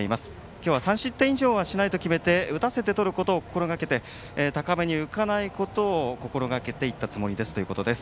今日は３失点以上をしない打たせてとることを心がけて高めに浮かないことを心がけていったということです。